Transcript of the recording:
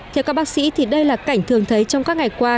theo các bác sĩ thì đây là cảnh thường thấy trong các ngày qua